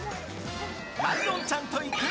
ライオンちゃんと行く！